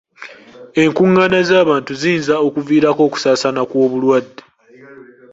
Enkungaana z'abantu ziyinza okuviirako okusaasaana kw'obulwadde.